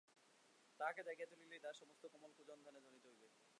তাহাকে জাগাইয়া তুলিলেই তাহার সমস্ত কোমল কূজন কানে ধ্বনিত হইয়া উঠিবে।